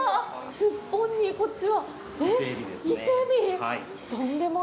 すっぽんに、こっちは？